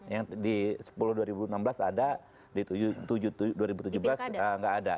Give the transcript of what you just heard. yang di sepuluh dua ribu enam belas ada di dua ribu tujuh belas nggak ada